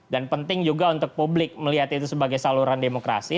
dan penting juga untuk publik melihat itu sebagai saluran demokrasi